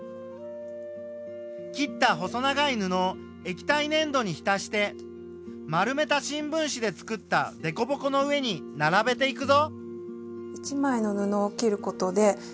切った細長い布を液体ねん土にひたして丸めた新聞紙でつくったでこぼこの上にならべていくぞ。